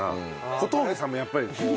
小峠さんもやっぱりこう。